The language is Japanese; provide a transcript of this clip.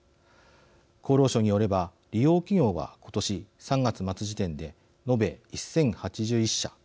厚労省によれば利用企業は今年３月末時点で延べ１，０８１社。